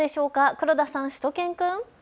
黒田さん、しゅと犬くん。